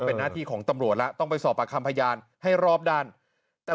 เป็นหน้าที่ของตำรวจแล้วต้องไปสอบประคำพยานให้รอบด้านแต่